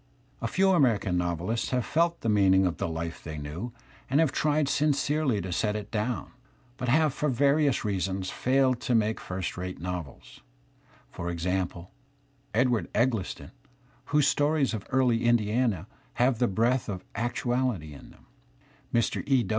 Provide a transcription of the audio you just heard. A few Ameri can novelists have felt the meaning of the life they knew and have tried sincerely to set it down, but have for various reasons failed to make first rate novels; for example, Edwa rd Eggleston, whose stories of early Indiana have the breath of actuaUty in them; Mr. E.